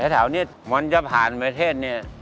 แถวนี้มันจะผ่านประเทศเนี่ย